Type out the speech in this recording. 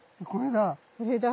これだ。